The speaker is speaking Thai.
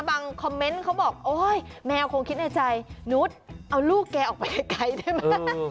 บางคอมเม้นต์เขาบอกโอ้ยแมวคงคิดในใจนุ๊ดเอาลูกแกออกไปไกลไกลใช่ไหมเออ